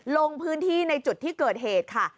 ลงพื้นที่ในจุดที่เกิดเหตุค่ะ